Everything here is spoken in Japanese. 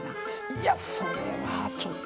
いやそれはちょっと。